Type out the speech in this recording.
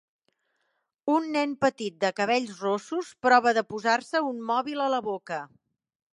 Un nen petit de cabells rossos prova de posar-se un mòbil a la boca.